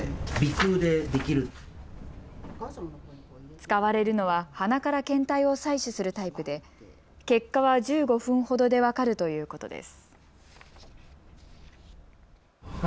使われるのは鼻から検体を採取するタイプで結果は１５分ほどで分かるということです。